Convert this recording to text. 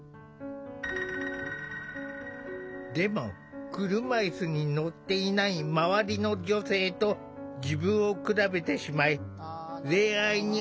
でも車いすに乗っていない周りの女性と自分を比べてしまい恋愛に臆病になっていた。